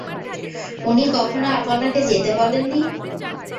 উনি কখনো আপনাকে যেতে বলেন নি?